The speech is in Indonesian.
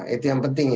itu yang penting